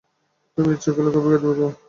তুমি ইচ্ছা করলে কফি খেতে পার।